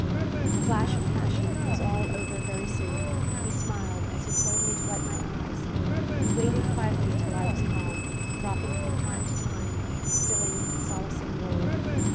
The flash of passion was all over very soon. He smiled as he told me to wipe my eyes; he waited quietly till I was calm, dropping from time to time a stilling, solacing word.